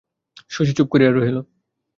শশী চুপ করিয়া রহিল।